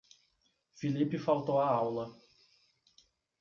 Filipe faltou a aula.